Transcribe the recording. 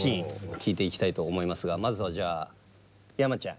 聞いていきたいと思いますがまずはじゃあ山ちゃん。